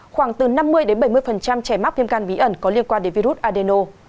khoảng từ năm mươi bảy mươi trẻ mắc viêm gan bí ẩn có liên quan đến virus adeno